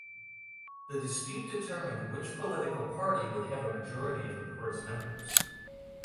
The dispute determined which political party would have a majority of the board's members.